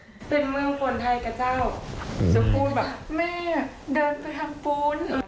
จะพูดแบบแม่เดินไปทำภูมิ